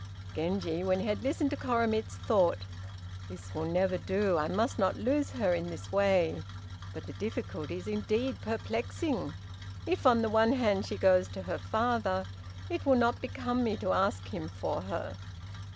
Genji, when he had listened to Koremitz, thought, "This will never do; I must not lose her in this way. But the difficulty is indeed perplexing. If, on the one hand, she goes to her father, it will not become me to ask him for her.